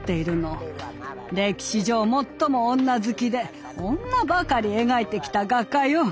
歴史上最も女好きで女ばかり描いてきた画家よ。